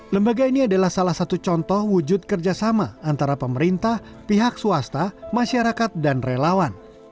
lembaga ini adalah salah satu contoh wujud kerjasama antara pemerintah pihak swasta masyarakat dan relawan